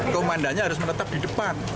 komandannya harus menetap di depan